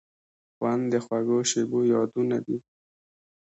خوند د خوږو شیبو یادونه دي.